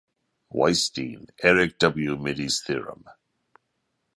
Weisstein, Eric W. Midy's Theorem.